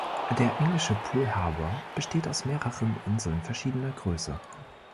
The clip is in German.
Der englische Poole Harbour besteht aus mehreren Inseln verschiedener Größe,